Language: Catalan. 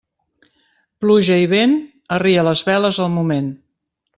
Pluja i vent, arria les veles al moment.